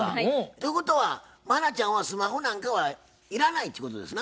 ということは茉奈ちゃんはスマホなんかはいらないっていうことですな？